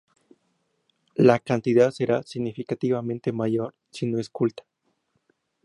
La cantidad será significativamente mayor si no es oculta.